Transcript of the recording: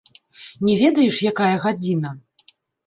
Не ведаеш, якая гадзіна?